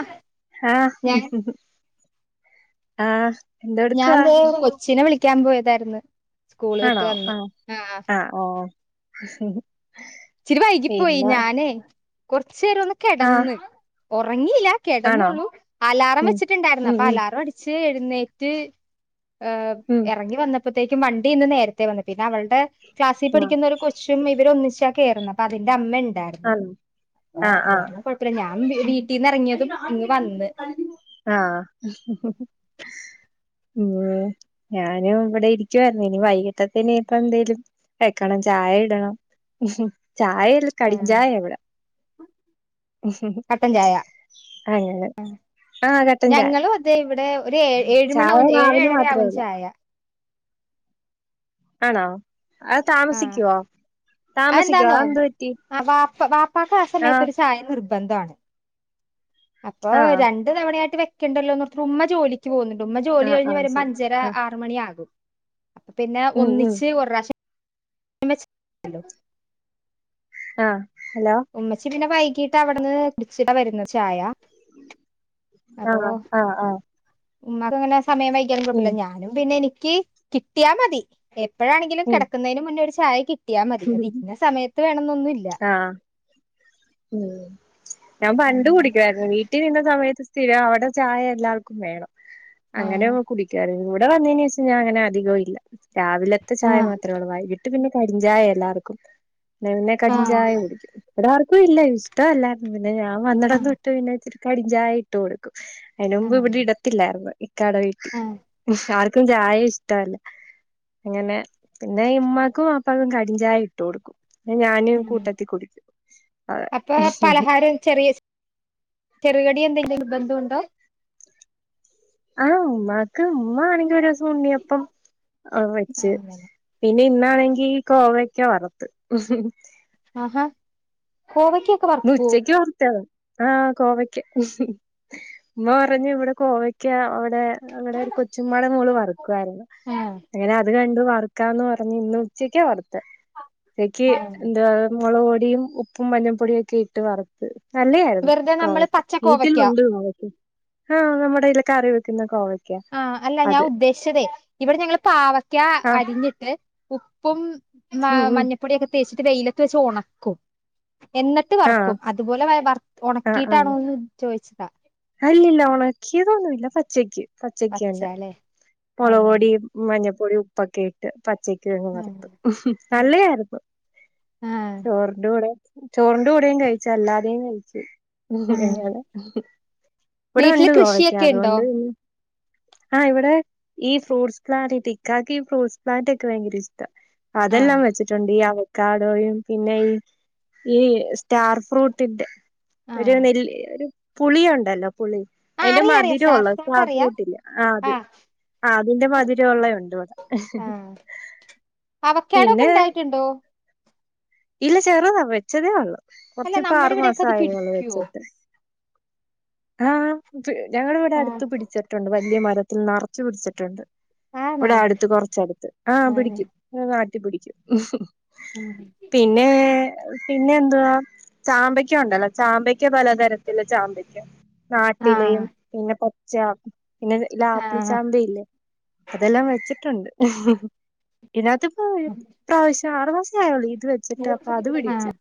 ആഹ് ആഹ് ആഹ് എന്ത ഞാൻ ദേ കൊച്ചിനെ വിളിക്കാൻ പോയതായിരുന്നു സ്കൂള് വിട്ട് വന്ന് ആ ഓഹ് ശരി ഇച്ചിരി വൈകിപ്പോയി ഞാനേ കുറച്ചു നേരം ഒന്ന് ആഹ് കിടന്ന് ഉറങ്ങീല്ല ആണോ കിടന്നുള്ളു അലാറം ഉം വെച്ചിട്ടുണ്ടായിരുന്നു ഉം അപ്പൊ ഉം അലാറം അടിച്ച് എഴുന്നേറ്റ് ഉം ഇറങ്ങി വന്നപ്പോത്തേക്കും വണ്ടി ഇന്ന് നേരത്തെ വന്നു പിന്നെ അവളുടെ ക്ലാസ്സിൽ ആഹ് പഠിക്കുന്ന ഒരു പക്ഷേഇവര് ഒന്നിച്ചാ കയറുന്നത് അപ്പൊ അതിന്റെ അമ്മ ഉണ്ടായിരുന്നു ആണോ ആഹ് അത് ആഹ് കാരണം കുഴപ്പമില്ല ഞാൻ വീട്ടിൽന്ന് ഇറങ്ങിയതും ഇങ്ങ് വന്ന് ആഹ് ഉം ഞാനും ഇവിടെ ഇരിക്കുവായിരുന്നു ഇനി വൈകീട്ടത്തിന് ഇപ്പ എന്തേലും വെക്കണം ചായ ഇടണം ചായല്ല കടും ആഹ് ചായെ ഇ വിടെ ഉം ഉം കട്ടൻ ചായ അങ്ങനെ ആ കട്ടൻ ചായ ഞങ്ങളും അതെ ഇവിടെ ഒരു ഏഴ് ഏഴ് മണി ചായ ആവും ഏഴ് രാവിലെ ഏഴര ആവും മാത്രള്ളു ചായ ആണോ അത് താമസിക്കുവോ അത് താമസിക്കുവോ എന്താന്നോ അതെന്ത് പറ്റി ആ വാപ്പ വാപ്പാക്ക് ആ ആഹ് സമയത്തൊരു ചായ നിർ നിർബന്ധാണ് അപ്പ ആഹ് രണ്ട് തവണയായിട്ട് വെക്കണ്ടല്ലോന്നോർത്തിട്ട് ഉമ്മ ജോലി ജോലിക്ക് പോവ്ണ്ട് ഉമ്മ ജോലി ആഹ് കഴിഞ്ഞു ആഹ് വരുമ്പോ ശരി അഞ്ചര ആഹ് ആറ് മണി ആകും അപ്പൊ പിന്നെ ഉം ഉം ഒന്നിച്ച് ഒരുപ്രാവശ്യം ഹലോ ആഹ് ഹലോ ഉമ്മച്ചി പിന്നെ വൈകീട്ട് അവിടുന്ന് കു ടിച്ചിട്ടാ വരുന്നെ ചായ അപ്പൊ ആഹ് ആഹ് ആഹ് ഉമ്മാക്ക് അങ്ങനെ സമയം വൈകിയാലും ഉം കുഴപ്പമില്ല ഞാനും പിന്നെ എനിക്ക് കിട്ടിയാൽ മതി എപ്പോഴാണെങ്കിലും ഉം കിടക്കുന്നതിന് മുന്നേ ഒരു ചായ കി കിട്ടിയാ മതി അത് ഇന്ന സമയത്ത് വേണമെന്നൊന്നുല്ല ആഹ് ഉം ഞാൻ പണ്ട് അങ്ങനെ കുടിക്കുമായിരുന്നു വീട്ടി വീട്ടീ നിന്ന സമയത്ത് സ്ഥിരം അവിടെ ചായ എല്ലാവർക്കും വേണം അങ്ങനെ ആഹ് കുടിക്കുമായിരുന്നു ഇവിടെ വന്നതിന് ശേഷം ഞാൻ അങ്ങനെ അധികവും ഇല്ല രാവിലത്തെ ചായ ആഹ് മാത്രേ ഉള്ളൂ വൈകീ ട്ട് പിന്നെ കരിഞ്ചായയാ എല്ലാവർക്കും പിന്നെ കരിഞ്ചായ ആഹ് കുടിക്കും ഇവിടാർക്കും ഇല്ല ഇഷ്ടമല്ലായിരുന്നു പിന്നെ ഞാൻ വന്നിടം ആഹ് തൊട്ട് ഇപ്പൊ പിന്നെ ഇച്ചിരി കരിഞ്ചായ ഇട്ട് കൊടുക്കും അതിന് മുമ്പ് ഇവിടെ ഇടത്തില്ലായിരുന്നു ഇക്കാടെ വീട്ടിൽ ആഹ് എനിക്കും ചായ ഇഷ്ടമല്ല അങ്ങനെ പിന്നെ ഇമ്മാക്കും വാപ്പാക്കും കരിഞ്ചായ ഇ ഇട്ട് കൊടുക്കും ഞാനും ആഹ് കൂട്ടത്തീ കുടിക്കും അത അപ്പൊ പലഹാരം ചെറിയ ചെറുകടി എന്തെങ്കിലും നിർബന്ധമുണ്ടോ ആ ഉമ്മാക്ക് ഉമ്മ ആണെങ്കി ഒരു ദിവസം ഉണ്ണിയപ്പം ആ വെച്ച് അങ്ങനെ പിന്നെ ഇന്നാണെങ്കി കോവക്ക വറുത്ത് ആഹാ കോവക്ക ഇന്നുച്ചക്ക് വറുത്തത് ആഹ് കോവയ്ക്ക ഉമ്മ പറഞ്ഞു ഇവിടെ കോവക്ക അവിടെ അവിടെ ഒരു കൊച്ചുമമാടെ മോള് വറുക്കുമായിരുന്നു ആഹ് അങ്ങനെ അത് കണ്ട് വറ് ക്കാന്ന് പറഞ്ഞ് ഇന്ന് ഉച്ചക്കാ വറുത്തെ ഉച്ചക്ക് ആഹ് എന്താ മുളക് പൊടിയും ഉപ്പും മഞ്ഞപ്പൊടിയൊ ക്കെ ഇട്ട് വറു നല്ല ആയിരുന്നു വെറുതെ നമ്മള് കോവയ്ക്ക വീട്ടിൽ പച്ചക്കോവയ്ക്ക ഉണ്ട് കോവയ്ക്ക ആഹ നമ്മുടെ ഇൽ കറി വെക്കുന്ന കോവയ് ആഹ അല്ല ഞാൻ ഉദ്ദേശിച്ചതേ ഇവിടെ ഞങ്ങള് പാവക്ക ആഹ് അരിഞ്ഞിട്ട് ഉപ്പും ഉം ഉം മഞ്ഞപ്പൊടിയൊക്കെ തേച്ചിട്ട് വെയിലത്ത് വെച്ച് ഉണക്കും എന്നിട്ട് ആഹ് വറക്കും അതുപോലെ വ വർ ആഹ് ആഹ് ഉണക്കിയിട്ടാണോന്ന് ചോദിച്ചതാ അല്ലല്ല ഉണക്കിയതൊന്നുല്ല പച്ചക്ക് പച്ചക്ക് തന്നെ പച്ചാല്ലേ മുളക് ആഹ് പൊടിയും മഞ്ഞപ്പൊടിയും ഉപ്പൊക്കെ ഇട്ട് പച്ചക്കങ്ങ് ആഹ് വറുത്തു നല്ലതായിരുന്നു ആഹ് ചോറിന്റെ കൂടെ ചോറിന്റെ കൂടെയും കഴിച്ചു അല്ലാതെയും കഴിച്ചു ആഹ് എങ്ങനെ ഇവിടെ വീട്ടില് ഉണ്ട് കോവയ്ക്ക കൃഷിയൊക്കെ ഇണ്ടോ? അതുകൊണ്ട് ആഹ് ഇവിടെ ഈ ഫ്രൂട്ട്സ് പ്ലാനറ്റ് ഇക്കാക്ക് ഈ ഫ്രൂട്ട്സ് പ്ലാന്റ് ഒക്കെ ഭയങ്കര ഇഷ്ട ആഹ് അതെല്ലാം വെച്ചിട്ടുണ്ട് ഈ അവെ ക്കാടോയും പിന്നെ ഈ ഈ സ്റ്റാർ ഫ്രൂട്ട്ന്റെ ഒരു ആഹ് നെല് ഒരു പുളിയുണ്ടല്ലോ ളി ആഹ് അതിന്റെ അറിയാ അറിയാ മധുരൊള്ളു സ്റ്റാർ അറിയാ ഫ്രൂട്ട് ല്ലെ ആ അത് ആഹ് ആഹ് അതിന്റെ മതിരി ഉള്ള ഉണ്ട്. ആഹ് അവക്കാടൊക്കെ പിന്നെ ഇണ്ടായിട്ടുണ്ടോ ഇല്ല ചെറുതാ വെച്ചതേ ഉള്ളൂ അല്ല കൊറച്ച് ഇപ്പ നമ്മുടെ ആറു മാസ ഇവിടെയൊക്കെ അത് ആയതെയൊള്ളു പിടിക്കുവോ വെച്ചിട്ട് ആഹ ഞങ്ങളുടെ ഇവിടെ ആഹ് അടുത്ത് പിടിച്ചിട്ടുണ്ട് വലിയ മരത്തിൽ നറച്ചു പിടിച്ചിട്ടുണ്ട് ആണോ ഇവിടെ അടുത്ത് കൊറച്ചടുത്ത് ആഹ ആഹ് പിടിക്കും നാട്ടി പിടിക്കും ഉം പിന്നെ പിന്നെ എന്തുവാ ചാമ്പയ്ക്ക ഉണ്ടല്ലോ ചാമ്പയ്ക്ക പലതരത്തില് ചാമ്പയ്ക്ക നാട്ടിലെയും ആഹ് പിന്നെ ച്ച പിന്നെ ഇല്ല ആപ്പിൾ ആഹ് ചാമ്പയില്ലേ അതെല്ലാം വെച്ചിട്ടുണ്ട് ഇതിനകത്ത് ഇപ്പ പ്രാവശ്യം ആറു മാസം ആയൊള്ളു ഇത് വെച്ചിട്ട് അപ്പൊ അത് പിടിച്ചു ആഹ്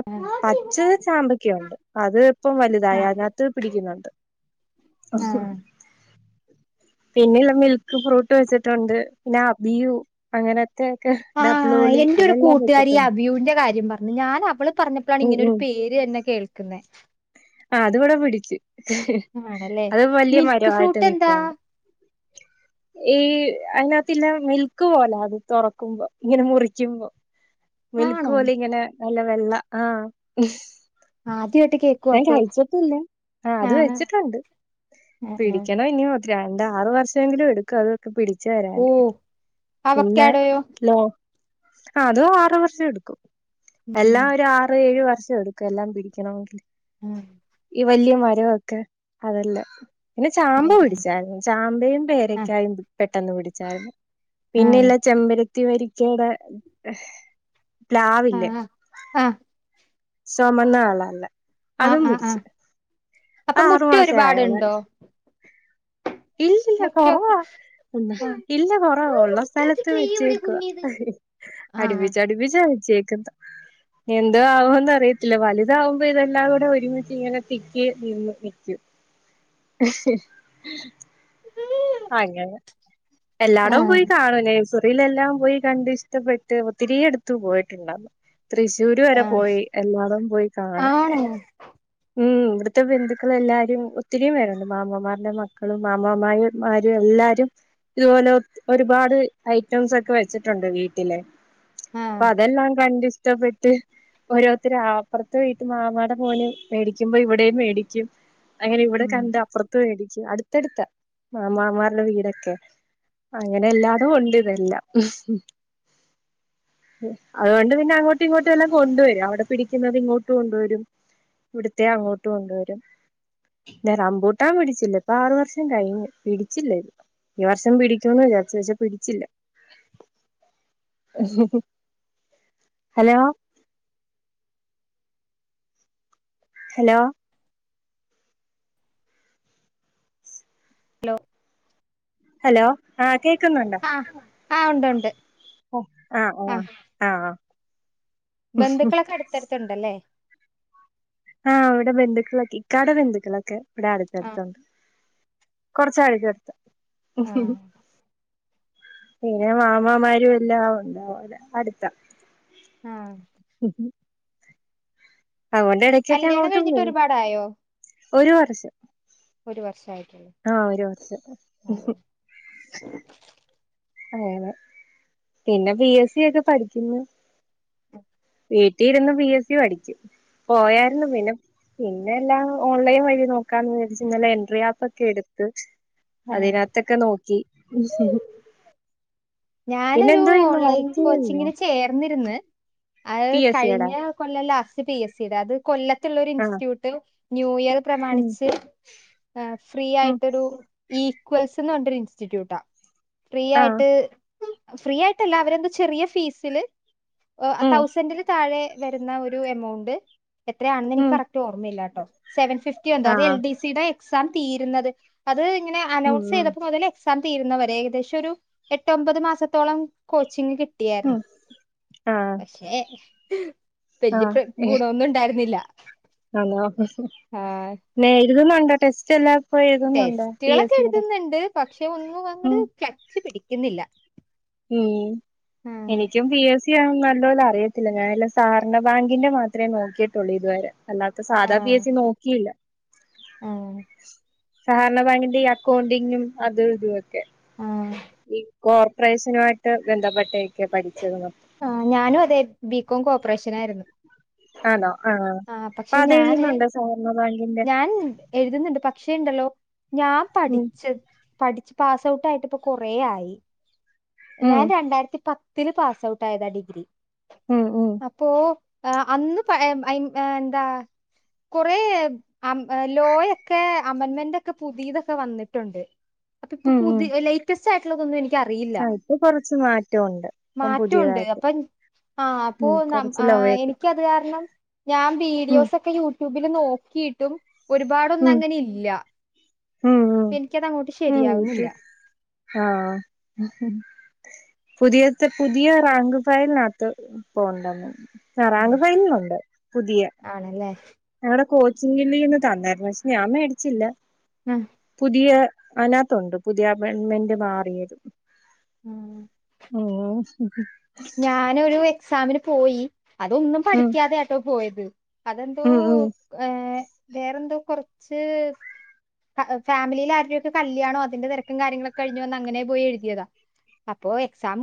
[unintelligible] പച്ച ചാമ്പക്ക ഉണ്ട് അത് ഇപ്പം വലുതായ അതിനകത്ത് പിടിക്കുന്നുണ്ട് ആഹ് പിന്നെള്ള മിൽക്ക് ഫ്രൂട്ട് വെച്ചിട്ടുണ്ട് പിന്നെ അബിയു അങ്ങനെ ആഹ് എന്റെ ഒരു കൂട്ടുകാരി വെച്ചിട്ടുണ്ട് അഭിയൂന്റെ കാര്യം പറഞ്ഞു ഞാൻ അവള് പറഞ്ഞപ്പോഴാണ് ഇങ്ങനെ ഒരു പേര് തെന്നെ കേൾക്കുന്ന ആഹ് അത് ഇവടെ പിടിച്ചു ആണല്ലേ അത് വലിയ മിൽക്ക് മരമായിട്ട് ഫ്രൂട്ട് എന്താ നിൽപ്പുണ്ട് ഈ അതിനകത്ത്ല്ല മിൽക്ക് പോലെ അത് തുറക്കുമ്പോ ഇങ്ങനെ മുറിക്കുമ്പോ മിൽക്ക് ആണോ പോലെ ഇങ്ങനെ നല്ല വെള്ള ആഹ് ആദ്യമായിട്ട് കേ ഞാൻ കഴിച്ചിട്ടില്ല ആഹ അത് വെച്ചിട്ടുണ്ട് ആഹ് പിടിക്കണോ ഇനി രണ്ട് ആർ വർഷംമെങ്കിലും എടുക്കും അത് പിടിച്ച് ഓ വരാന് പിന്നെ അവക്കാടോയോ ലോ അത് ആറ് വർഷം എടുക്കും എല്ലാം ഒരു ആറ് ഏഴ് വർഷം എടുക്കും ക്കും എല്ലാം പിടിക്കണമെങ്കിൽ ആഹ് ഈ വലിയ മരമൊക്കെ അതല്ലേ പിന്നെ ചാമ്പ പിടിച്ചായിരുന്നു ചാമ്പയും ആഹ് പേരക്കായും പെട്ടെന്ന് പിടിച്ചായിരുന്നു ആഹ് ആഹ് പിന്നെല്ല ചെമ്പരത്തി വരി ക്കന്റെ പ്ലാവില്ലേ ആഹ് ആഹ് ചുമന്ന കളറുള്ള ആഹ് അതും ആഹ് പിടിച്ച് ആഹ് അപ്പൊ അത് മുറ്റം ആറുമാസേ ആയോള്ളു ഒരുപാടുണ്ടോ ഇല്ലില്ല മുറ്റൊക്കെ കുറവാ പിന്നെ ഇല്ല കൊറവ ഉള്ള സ്ഥലത്ത് വെച്ചേക്കുവ അടുപ്പിച്ച് അടുപ്പിച്ച വെച്ചേക്കുന്നേ എന്തോ ആവോന്ന് അറിയത്തില്ല വലുതാകുമ്പോ ഇതെല്ലാം കൂടെ ഒരുമിച്ച് ഇങ്ങനെ തിക്കി നിന്ന് നിക്കും [inaudible] ആ ഇങ്ങനെ എല്ലാടം പോയി ആഹ് കാണും നസറിയിലെല്ലാം പോയി കണ്ട് ഇഷ്ടപ്പെട്ട് ഒത്തിരിയെ അടുത്തു പോയിട്ടുണ്ട് തൃശ്ശൂര് വരെ പോയി എല്ലാടും പോയി കാണും ആണോ ഉം ഇവിടുത്തെ ബന്ധുക്കൾ എല്ലാരും ഒത്തിരിയും പേരുണ്ട് മാമ്മമാരുടെ മക്കളും മാമമാരയും മാരും എല്ലാരും ഇതുപോലെ ഒരുപാട് ഐറ്റംസ് ഒക്കെ വെച്ചിട്ടുണ്ട് വീട്ടിലെ അപ്പൊ ആഹ് അതെല്ലാം കണ്ടിഷ്ടപ്പെട്ട് ഓരോരുത്തർ അപ്പുറത്ത വിട്ട് മാമാടെ മോന് മേടിക്കുമ്പോ ഇവിടെയും മേടിക്കും അങ്ങനെ ഇവിടെ കണ്ട് അപ്പുറത്ത് മേടിച്ച് അടുത്തടുത്താ മാമാമാരുടെ വീടൊക്കെ അങ്ങനെ എല്ലാതും കൊണ്ട് ഇതെല്ലാം അതുകൊണ്ട് പിന്നെ അങ്ങോട്ടും ഇങ്ങോട്ടും എല്ലാം കൊണ്ട് വരും അവിടെ പിടിക്കുന്നത് ഇങ്ങോട്ട് കൊണ്ടുവരും ഇവിടുത്തെ അങ്ങോട്ട് കൊണ്ടുവരും ല റംമ്പൂട്ടാൻ പിടിച്ചില്ല ഇപ്പൊ ആറു വർഷം കഴിഞ്ഞ് പിടിച്ചില്ല ഈ വർഷം പിടിച്ചുന്നു വിചാരിച്ചു പക്ഷെ പിടിച്ചില്ല [unintelligible] ഹലോ ഹലോ ഹലോ ഹലോ ആ കേക്കുന്നുണ്ടോ ആഹ ആ ഉണ്ട് ഉണ്ട് ഒ ആഹ ആഹ ആഹ് ആഹ ബന്ധുക്കളൊക്കെ അടുത്തടുത്തണ്ടല്ലേ ആഹ ഇവിടെ ബന്ധുക്കളൊക്കെ ഇക്കാടെ ബന്ധുക്കളൊക്കെ ഇവിടെ ആഹ് അടുത്തടുത്തുണ്ട് കുറച്ച കഴക്ക് എടുത്ത് [unintelligible] ആഹ് പിന്നെ മാമാമാരും എല്ലാം ഉണ്ടാവ അതെ അടുത്ത ആഹ അതൊണ്ട് ഇടക്കൊക്കെ കല്യാണം അങ്ങോട്ട് കഴിഞ്ഞിട്ട് പോവും ഒരുപാടായോ ഒരു വർഷം ഒരു വർഷായിട്ടുള്ളു ആഹ ഒരു വർഷം അങ്ങനെ പിന്നെ പി എസ് സി ഒക്കെ പഠിക്കുന്ന് ഉ വീട്ടിൽ ഇരുന്ന് പി എസ് സി പഠിച്ചു പോയരുന്നു പിന്നെ പിന്നെ എല്ലാം ഓൺലൈൻ വഴി നോക്കാന്ന് വിചരിച്ച് ഇന്നലെ എൻട്രി ആപ്പ് ഒക്കെ എടുത്ത് ഏഹ് അതിനാത്തൊക്കെ നോക്കി പിന്നെ ഞാനെരു എന്തോ ചെയ്യുന്നു ഓൺലൈൻ വർക്ക് ചെയ്യുന്നോ കോച്ചിങ്ങിന് ചേർന്നിര്ന്ന് പി എസ് സിയടാ അഴ്കഴിഞ്ഞ കൊല്ല ലാസ്റ്റ് പി എസ് സി യുടെ അത് കൊല്ലത്തുള്ള ഒരു ആഹ് ഇൻസ്റ്റിറ്റ്യൂട്ട് ന്യൂ ഇയർ ഉം പ്രമാണിച്ച് ഫ്രീ ഉം ആയിട്ടൊരു ഈക്വൽസ്ന്ന് പറഞ്ഞരു ഇൻസ്റ്റിറ്റ്യൂട്ടാ ഫ്രീ ആഹ് ആയിട്ട് ഫ്രീ ആയിട്ടല്ല അവരെന്താ ചെറിയ ഫീസില് ഒ ഉം തൗസൻഡന് താഴെ വരുന്ന ഒരു എമൗണ്ട് എത്രയാണെന്ന് എനിക്ക് ഉം കറക്റ്റ് ഓർമ്മയില്ലാട്ടോ സെവൻ ഫിഫ്റ്റി എന്തോ അത് എൽ ആഹ് ഡി സി ടെ എക്സാം തീരുന്നത് അത് ങ്ങനെ ഉം അനൗൺസ് ഉം ചെയ്തപ്പോ മുതല് എക്സാം തീരുന്നവരെ ഏകദേശം ഒരു എട്ട് ഒമ്പത് മാസത്തോളം കോച്ചിങ് കി ഉം കിട്ടിയാരുന്നു ആഹ് പക്ഷേ വല്യ പ്ര ഗുണൊന്നും ഇണ്ടായിരുന്നില്ല ആതോ പിന്നെ എഴതുന്നുണ്ടോ ടെസ്റ്റ് എല്ലാം [unintelligible] പി ടെസ്റ്റുകളൊക്കെ എസ് സിയുടെ എഴുതുന്നുണ്ട് പക്ഷെ ഒന്നും അങ്ങട് ഉം ക്ളച്ച് പിടിക്കുന്നില്ല ഉം ആ എനിക്കും ബി എസ് സി ആണ നല്ല പോലും അറിയത്തില്ല ഞാനല്ല സാഹരണ ബാങ്കിന്റെ മാത്രമേ നോക്കിട്ടുള്ളൂ ഇതുവരെ അല്ലാത്ത ആ സാധാ പി എ സി നോക്കിയില്ല ആ സഹകരണ ബാങ്കിന്റെ അക്കൗണ്ടിങ്ങും അതും ഇതുംക്കെ ആഹ് ഈ കോർപ്പറേഷനുമായിട്ട് ബന്ധപ്പെട്ടൊക്കെ പഠിച്ചത് ആഹ് ഞാനും അതെ ബികോം കോപ്പറേഷനായിരുന്നു ആഹ് അപ്പൊ പക്ഷെ അത് ഞാന് എഴുതുന്നുണ്ടോ സഹകരണ ബാങ്കിന്റെ ഞാൻ എഴുതുന്നുണ്ട് പക്ഷേ ഉണ്ടല്ലോ ഞാൻ ഉം പഠിച്ച പഠിച്ച് പാസ്ഔട്ട് ആയിട്ട ഇപ്പ കൊറേ ആയി ഉം ഞാൻ രണ്ടായിരത്തി പത്തില് പാസ് ഔട്ട് യത ഡിഗ്രി ഉം ഉം അപ്പോ അന്ന് എന്താ കൊറേ അഹ് ലോയ ഒക്കെ അമൻമന്റെൊക്കെ പുതിയതൊക്കെ വന്നിട്ടുണ്ട് അപ്പൊ ഇപ്പൊ ഉം ഉം പുതിയ ലേറ്റസ്റ്റ് ആയിട്ടുള്ളതൊന്നും എനിക്കറിയില്ല ആ ഇപ്പൊ കൊറച്ച് മാറ്റമുണ്ട് ഇപ്പം ണ്ട് പുതിയതായിട്ട് അപ്പൊ ആഹ് അപ്പോ ഉം കൊറച്ച് ലോയൊക്കെ എനിക്ക് കാരണം ഞാൻ ഉം വീഡിയോസ് ഒക്കെ യൂട്യൂബില് നോക്കിയിട്ടും ഒരുപാടൊന്നും ഉം അങ്ങനെ ഇല്ല ഉം ഉം എനിക്കത് അങ്ങോട്ട് ശരിയാവുന്നില്ല ഉം ആഹ് പുതിയത്തെ പുതിയ റാങ്ക് ഫയൽിനകത്ത് പോണ്ടന്ന് ഉം. റാങ്ക് ഫയലിലുണ്ട് പുതിയ ആണല്ലേ? ഞങ്ങളടെ കോച്ചിങ്ങില് ഇന്ന് തന്നായിരുന്നു പക്ഷെ ഞാൻ മേടിച്ചില്ല ഉം പുതിയ അനകത്തുണ്ട് പുതിയ അപമെന്റ് മാറിയത് [inaudible] ഞാനൊരു എക്സാമിന് പോയി അതൊന്നും ഉം പഠിക്കാതെയാട്ടോ പോയത് അതെന്തോ ഉം ഉം ഏഹ് വേറെന്തോ കുറച്ച് ഫാമിലി ആരുടെക്ക കല്യാണോ അതിന്റെ തെരക്കും കാര്യങ്ങളൊക്കെ കഴിഞ്ഞ് വന്ന് അങ്ങനെ പോയി എഴുതിയതാ അപ്പോ എക്സാം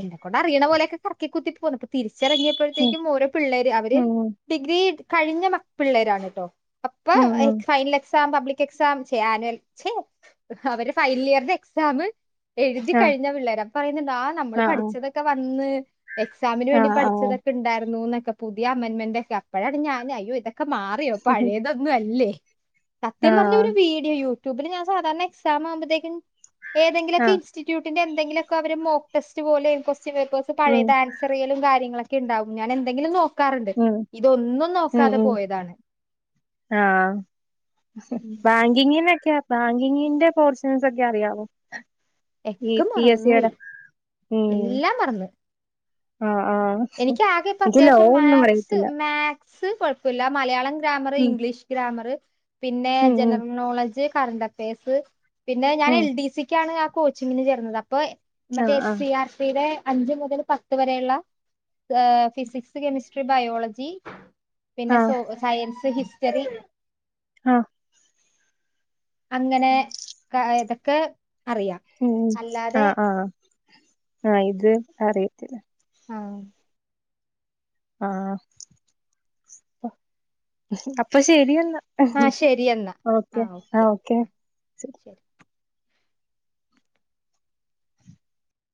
എന്തൊക്ക അ അറിയണ പോലൊക്കെ കറക്കിക്ക കുത്തി പോകുന്നു ഇപ്പൊ ഉം തിരിച്ചറങ്ങിയപ്പോഴത്തേക്കും ഓരോ പിള്ളേര് അവര് ഉം ഡിഗ്രി കഴിഞ്ഞ പിള്ളേരാണ് ട്ടോ അപ്പൊ ഉം ഉം ഉം final exam public exam annual ഛെ അവര് ഫൈനൽ ഇയറിന്റെ എക്സാം എഴുതി ആഹ് കഴിഞ്ഞ വിള്ളരം പറയുന്നുണ്ട് ആ നമ്മൾ ആഹ് പഠിച്ചതൊക്കെ വന്ന് എക്സാമിന് വേണ്ടി ആഹ് ആഹ് പഠിച്ചതൊക്കെ ണ്ടായിരുന്നുൊക്കെ പുതിയ അമന്മെന്റ് ഒക്കെ അപ്പോഴാണ് ഞാൻ അയ്യോ ഇതൊക്കെ മാറിയോ പഴയത ല്ലേ സത്യം പറഞ്ഞ ആഹ് ഒരു വീഡിയോ യൂട്യൂബില് ഞാൻ സാധാരണ എക്സാം ആവുമ്പോഴത്തേക്കും ഏതെങ്കിലൊക്കെ ആഹ് ഇൻസ്ിറ്റ്യൂട്ടിന്റെ എന്തെങ്കിലൊക്കെ അവര് മോക്ക്ടെസ്റ്റ് പോലെ കൊസ്റ്റൻ പേപ്പേഴസ് ഉം പഴയത ചെറിയും കാര്ങ്ങളൊക്കെണ്ടാവും ഞൻ എന്തെങ്കിലും നോക്ക നോക്കാറുണ്ട് ഉം ഇതൊന്നും ഉം നോക്കാതെ ഉം പോയതാണ് ആഹ് ഉം റാങ്കിങ്ങിനൊക്കെ ബാങ്കിങ്ങിന്റെ പോർച്ചൻസ് ഒക്കെ അറിയാാവോ ഈ ഒക്കെ പി എസ് സിയട മറന്നുപോയി ഉം എല്ലാം മറന്നു ആഹ് ആഹ് എനിക്ക് ആകെ ഇപ്പ എനിക്ക് ലോ അത്യാവശ്യം ഒന്നും മാത്സ് അറിയത്തില്ല മാ സ് കുഴപ്പല്ല മലയാളം ഗ്രാമർ ഉം ഇംഗ്ലീഷ് ഗ്രാമർ പിന്നെ ഉം ഉം ജനറൽ നോളജ് കറന്റ് അഫെയേഴ്സ് പിന്നെ ഞാൻ ഉം എൽ ഡി സി ണ് ആ കോച്ചിങ്ങിന് ചേർന്നത് അപ്പൊ മറ്റേ ആഹ് എസ് ആഹ് സി ആർ ടിയുടെ അന്ജ് മുതൽ പത്ത് വരെയുള്ള ഫിസിക്സ് കെമിസ്ട്രി ബയോളജി പിന്നെ ആഹ് സോ സയൻസ് ഹിസ്റ്ററി ആഹ് അങ്ങനെ ഇതൊക്കെ അറിയാം ഉം അല്ലാതെ ആഹ് ആഹ് ആഹ് ഇത് അറിയത്തില്ല ആഹ് ആഹ് അപ്പൊ ശരി എന്ന ആ ശരി എന്നാ ഓക്കെ ആ ആഹ് ഓക്കെ ശ ശരി